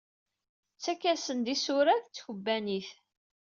Tettak-asen-d isurad tkebbanit.